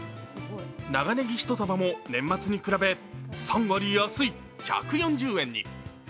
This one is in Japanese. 長ねぎ１束も、年末に比べ３割安い１４０円に。